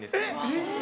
えっ！